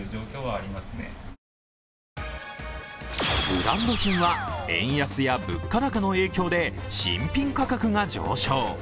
ブランド品は円安や物価高の影響で新品価格が上昇。